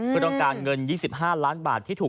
ก็ต้องการเงิน๒๕ล้านบาท